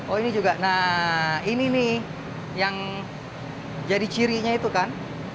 oh ini juga nah ini nih yang jadi cirinya itu kan